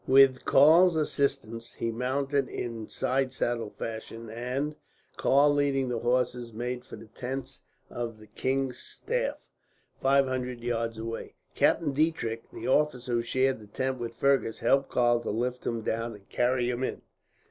With Karl's assistance he mounted in side saddle fashion and, Karl leading the horses, made for the tents of the king's staff, five hundred yards away. Captain Diedrich, the officer who shared the tent with Fergus, helped Karl to lift him down and carry him in.